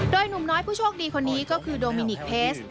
โดยหนุ่มน้อยผู้โชคดีคนนี้ก็คือโดมินิกเพจ